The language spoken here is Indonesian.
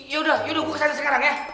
yaudah yaudah gue kesana sekarang ya